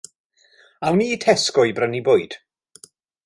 Awn ni i Tesco i brynu bwyd.